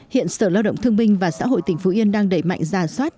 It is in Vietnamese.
hiện sở lao động thương minh và xã hội tỉnh phú yên đang đẩy mạnh giả soát